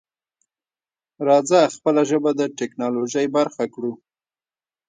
راځه خپله ژبه د ټکنالوژۍ برخه کړو.